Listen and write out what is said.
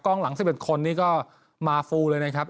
หลัง๑๑คนนี้ก็มาฟูเลยนะครับ